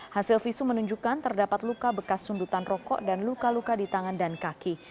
hasil visu menunjukkan terdapat luka bekas sundutan rokok dan luka luka di tangan dan kaki